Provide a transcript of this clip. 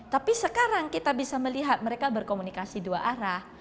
tapi sekarang kita bisa melihat mereka berkomunikasi dua arah